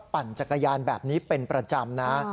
ปั่นจักรยานแบบนี้เป็นประจำนะ